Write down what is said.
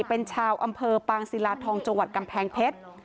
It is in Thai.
เป็นชาวอำเภอปางศิลาทองจังหวัดกำแพงเพชร